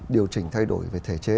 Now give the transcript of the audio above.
điều chỉnh thay đổi về thể chế